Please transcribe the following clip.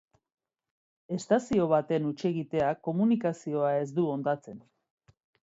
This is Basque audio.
Estazio baten hutsegiteak komunikazioa ez du hondatzen.